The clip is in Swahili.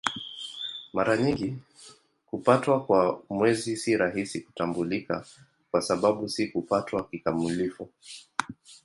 Mara nyingi kupatwa kwa Mwezi si rahisi kutambulika kwa sababu si kupatwa kikamilifu.